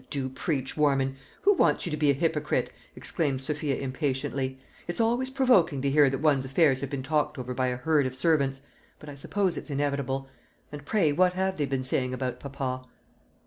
"How you do preach, Warman! Who wants you to be a hypocrite?" exclaimed Sophia impatiently. "It's always provoking to hear that one's affairs have been talked over by a herd of servants, but I suppose it's inevitable. And pray, what have they been saying about papa?"